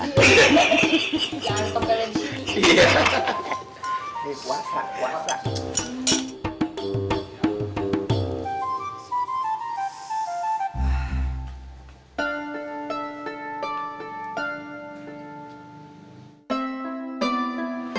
jangan togolnya disini